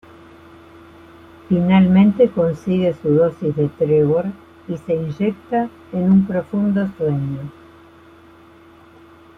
Finalmente consigue su dosis de Trevor y se inyecta en un profundo sueño.